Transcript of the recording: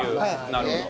なるほど。